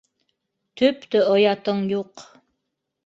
— Төптө оятың юҡ.